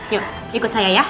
yuk ikut saya ya